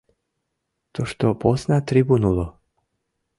— Тушто посна трибун уло.